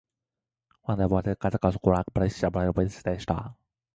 道はいくらか凍って、雪も前よりは固くなり、歩くのが楽だった。ただ、もちろんすでに暗くなり始めていた。